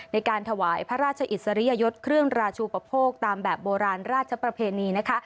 ในการถวายพระราชอิสริยยศเครื่องราชูปโภคตามแบบโบราณราชประเพณีนะคะ